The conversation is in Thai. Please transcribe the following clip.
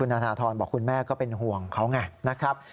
นาธรบอกคุณแม่ก็เป็นห่วงเขาไงนะครับ